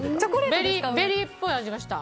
ベリーっぽい味がした。